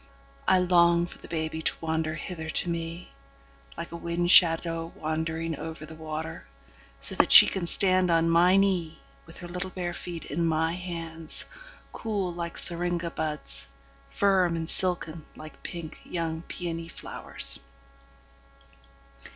I long for the baby to wander hither to meLike a wind shadow wandering over the water, So that she can stand on my kneeWith her little bare feet in my hands, Cool like syringa buds, Firm and silken like pink young peony flowers.